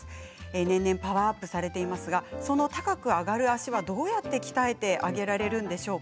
年々パワーアップされていますがその高くが上がる足はどうやって鍛えて上げられるんでしょうか。